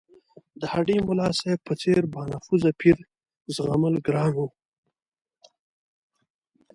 د هډې ملاصاحب په څېر بانفوذه پیر زغمل ګران وو.